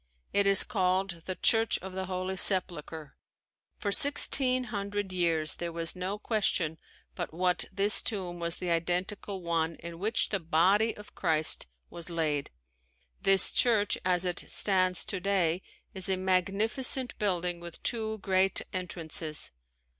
It is called the "Church of the Holy Sepulchre." For sixteen hundred years there was no question but what this tomb was the identical one in which the body of Christ was laid. This church as it stands today is a magnificent building with two great entrances.